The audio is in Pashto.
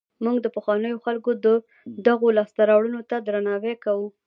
موږ د پخوانیو خلکو دغو لاسته راوړنو ته درناوی کوو.